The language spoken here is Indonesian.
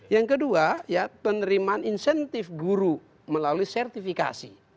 yang kedua ya penerimaan insentif guru melalui sertifikasi